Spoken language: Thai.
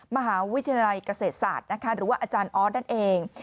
มหาวิทยาลัยเกษตรศาสตร์หรือว่าออนั่นเอง